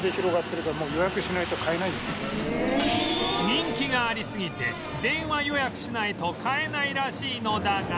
人気がありすぎて電話予約しないと買えないらしいのだが